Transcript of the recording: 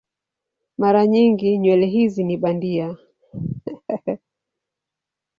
Mara nyingi nywele hizi ni bandia.